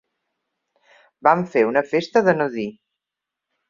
Vam fer una festa de no dir.